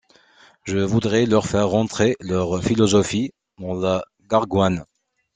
Je voudrais leur faire rentrer leur philosophie dans la gargoine.